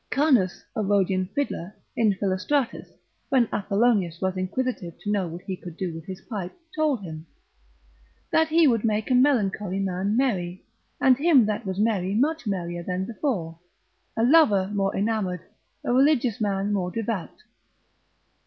Canus, a Rhodian fiddler, in Philostratus, when Apollonius was inquisitive to know what he could do with his pipe, told him, That he would make a melancholy man merry, and him that was merry much merrier than before, a lover more enamoured, a religious man more devout.